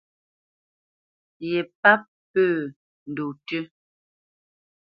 Ye páp pə́ ndɔ̂ tʉ́.